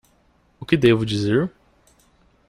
O que devo dizer?